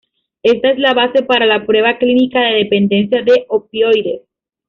Esta es la base para la prueba clínica de dependencia de opioides.